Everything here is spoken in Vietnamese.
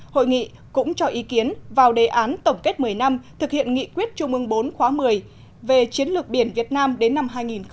hội nghị cũng cho ý kiến vào đề án tổng kết một mươi năm thực hiện nghị quyết trung ương bốn khóa một mươi về chiến lược biển việt nam đến năm hai nghìn ba mươi